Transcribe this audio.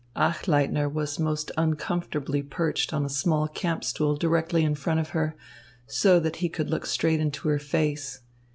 Achleitner was most uncomfortably perched on a small camp stool directly in front of her, so that he could look straight into her face.